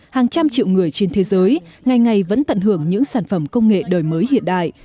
hàng trăm triệu người trên thế giới ngày ngày vẫn tận hưởng những sản phẩm công nghệ đời mới hiện đại